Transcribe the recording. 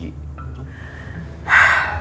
belum pulang ci